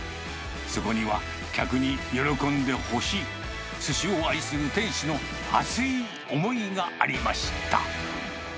そこには客に喜んでほしい、すしを愛する店主の熱い思いがありました。